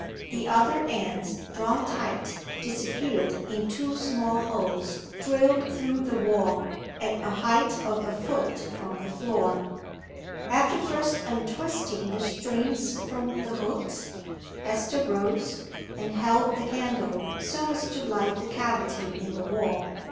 The other ends, drawn tight, disappeared in two small holes drilled through the wall, at a height of a foot from the floor. After first untwisting the strings from the hooks, Hester rose, and held the candle so as to light the cavity in the wall.